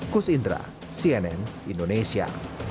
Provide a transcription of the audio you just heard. kus indra cnn indonesia